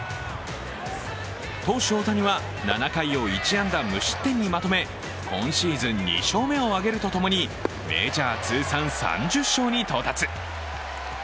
投手・大谷は７回を１安打無失点にまとめ今シーズン２勝目を挙げるとともにメジャー通算３０勝に到達。